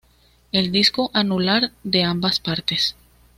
El disco anular de ambas partes.